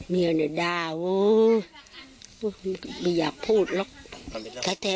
เมียเนี่ยด่าว่าไม่อยากพูดหรอก